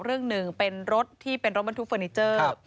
เรื่องหนึ่งเป็นรถที่เป็นรถบรรทุกเฟอร์นิเจอร์